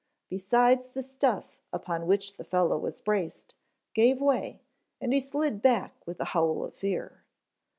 Besides the stuff upon which the fellow was braced, gave way, and he slid back with a howl of fear.